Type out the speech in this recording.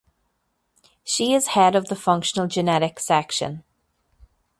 She is head of the functional genetics section.